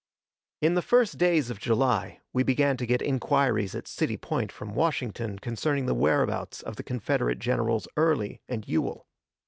In the first days of July we began to get inquiries at City Point from Washington concerning the whereabouts of the Confederate generals Early and Ewell.